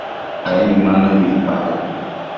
ai ma nëbi icpaboc